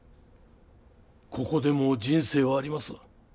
ここでも人生はあります。